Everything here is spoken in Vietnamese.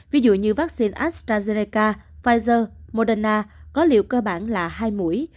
ví dụ như vaccine astrazeneca pfizer moderna có liệu cơ bản là hai mũi